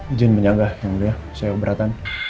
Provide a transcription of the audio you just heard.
ijin menyanggah yang beliau saya beratkan